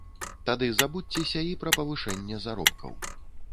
Тады забудзьцеся і пра павышэнне заробкаў.